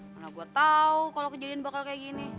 mana gue tau kalau kejadian bakal kayak gini